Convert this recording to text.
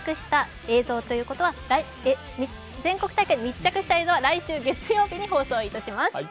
全国大会密着した映像は来週月曜日に放送いたします。